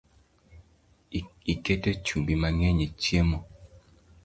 Iketo chumbi mangeny e chiemo